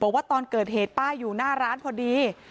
บอกว่าตอนเกิดเหตุป้าอยู่หน้าร้านพอดี